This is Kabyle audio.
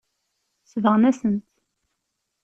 Sebɣen-as-tt.